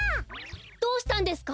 どうしたんですか？